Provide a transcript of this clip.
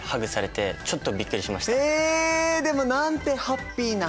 でもなんてハッピーな。